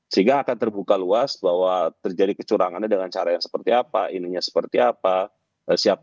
sehingga akan terbuka luas bahwa terjadi kecurangannya dengan cara yang seperti apa ininya seperti apa